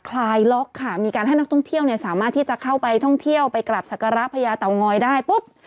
เข้าไปท่องเที่ยวไปกลับศักระพญาเต๋อง้อยได้ปุ๊บ